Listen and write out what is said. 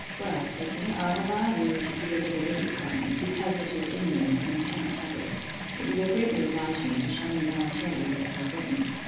—Well, said he, I'll allow you to be a little witty upon me; because it is in you, and you cannot help it: but you will greatly oblige me, to shew me voluntarily what you have written.